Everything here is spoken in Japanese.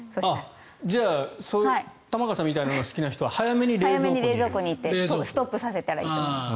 じゃあ玉川さんみたいのが好きな人は早めに冷蔵庫に入れてストップさせたらいいと思います。